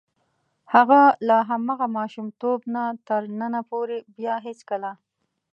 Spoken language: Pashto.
هغه له هماغه ماشومتوب نه تر ننه پورې بیا هېڅکله.